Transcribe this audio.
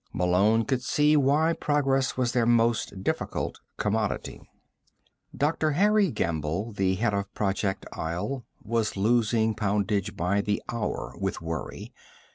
Malone could see why progress was their most difficult commodity. Dr. Harry Gamble, the head of Project Isle, was losing poundage by the hour with worry.